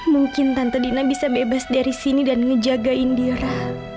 mungkin tante dina bisa bebas dari sini dan ngejagain dira